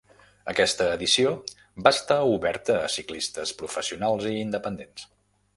Aquesta edició va estar oberta a ciclistes professionals i independents.